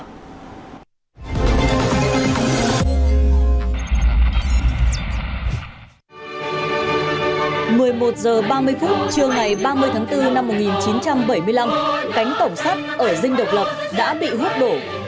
một mươi một h ba mươi phút trưa ngày ba mươi tháng bốn năm một nghìn chín trăm bảy mươi năm cánh cổng sắt ở dinh độc lập đã bị hút đổ